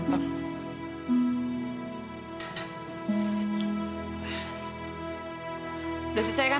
sudah selesai kan